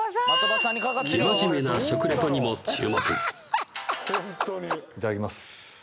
生真面目な食レポにも注目いただきます